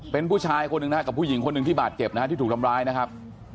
เป็นผู้ชายคนหนึ่งนะครับกับผู้หญิงคนหนึ่งที่บาดเจ็บนะฮะที่ถูกทำร้ายนะครับ